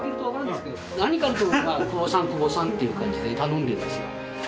何かあると久保さん久保さんっていう感じで頼んでるんですよ。